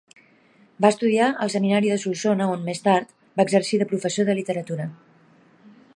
Va estudiar al seminari de Solsona on, més tard, va exercir de professor de literatura.